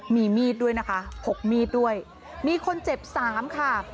มีมีดด้วยนะคะพกมีดด้วยมีคนเจ็บสามค่ะ